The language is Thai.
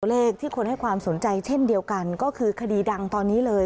เลขที่คนให้ความสนใจเช่นเดียวกันก็คือคดีดังตอนนี้เลย